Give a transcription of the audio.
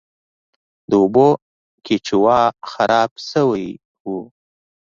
د اوبو کیچوا خراب شوی و.